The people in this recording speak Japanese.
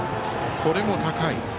これも高い。